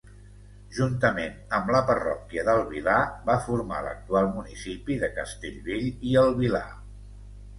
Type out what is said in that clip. Juntament amb la parròquia del Vilar, va formar l'actual municipi de Castellbell i el Vilar.